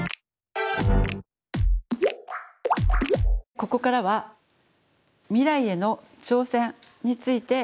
ここからは未来への挑戦についてお話しします。